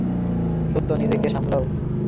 সত্যা, নিজেকে সামলাও!